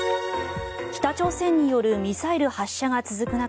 北朝鮮によるミサイル発射が続く中